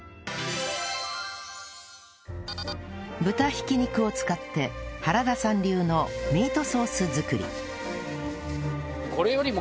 豚挽き肉を使って原田さん流のミートソース作り